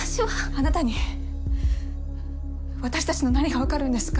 あなたに私たちの何がわかるんですか？